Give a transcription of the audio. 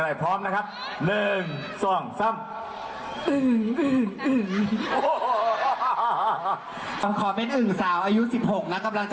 นี่ฮะโทษนะค่ะ